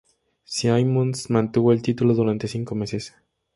Simmons mantuvo el título durante cinco meses.